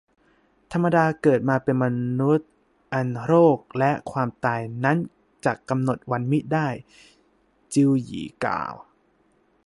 ธรรมดาเกิดมาเป็นมนุษย์ อันโรคแลความตายนั้นจะกำหนดวันมิได้ จิวยี่กล่าว